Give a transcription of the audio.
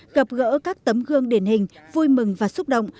gặp gỡ các tấm gương điển hình vui mừng và xúc động